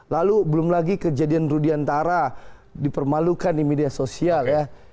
lalu belum lagi kejadian rudiantara dipermalukan di media sosial ya